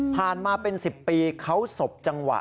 มาเป็น๑๐ปีเขาสบจังหวะ